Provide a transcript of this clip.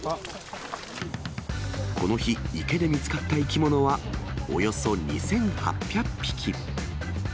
この日、池で見つかった生き物はおよそ２８００匹。